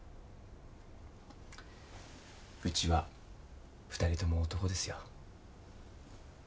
うちは２人とも男ですよ。